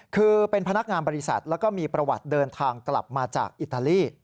คือเป็นพนักงานบริษัทแล้วก็มีประวัติเดินทางกลับมาจากอิตาลี